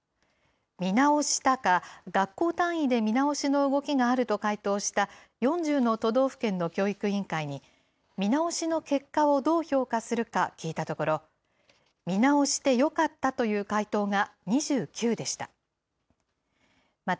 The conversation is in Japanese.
見直したか、学校単位で見直しの動きがあると回答した４０の都道府県の教育委員会に見直しの結果をどう評価するか聞いたところ、見直してよかったという回答が２９でした。